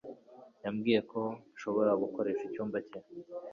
Yambwiye ko nshobora gukoresha icyumba cye